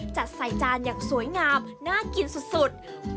จัดใส่จานอย่างสวยงามน่ากินสุด